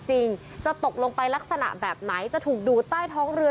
จริงจะตกลงไปลักษณะแบบไหนจะถูกดูดใต้ท้องเรือ